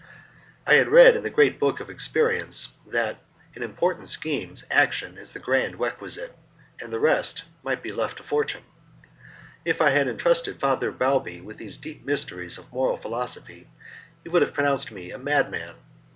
I had read in the great book of experience that in important schemes action is the grand requisite, and that the rest must be left to fortune. If I had entrusted Father Balbi with these deep mysteries of moral philosophy he would have pronounced me a madman.